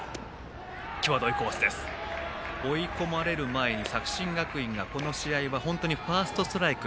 追い込まれる前に作新学院がこの試合は本当にファーストストライク